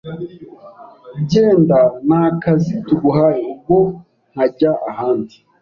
Genda nta kazi tuguhaye!! Ubwo nkajya ahandi.